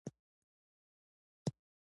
ډاکټر حشمتي د سيرومو کڅوړه په لاس کې درلوده